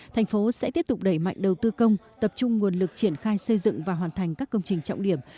thành phố sẽ tiếp tục đẩy mạnh đầu tư công tập trung nguồn lực triển khai xây dựng và hoàn thành các công trình trọng điểm